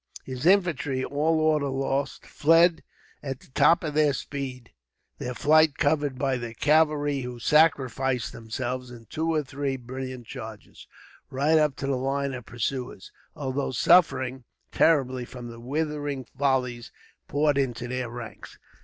His infantry, all order lost, fled at the top of their speed, their flight covered by their cavalry, who sacrificed themselves in two or three brilliant charges, right up to the line of pursuers, although suffering terribly from the withering volleys poured into their ranks.